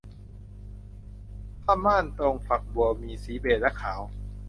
ผ้าม่านตรงฝักบัวมีสีเบจและขาว